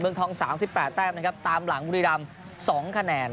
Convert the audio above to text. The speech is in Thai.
เมืองทอง๓๘แต้มนะครับตามหลังบุรีรำ๒คะแนน